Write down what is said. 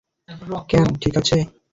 ক্যাম, ঠিক আছে?